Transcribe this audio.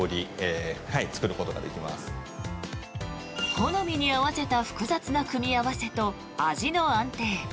好みに合わせた複雑な組み合わせと味の安定。